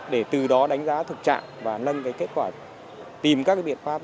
để từ đó đánh giá thực trạng và tìm các biện pháp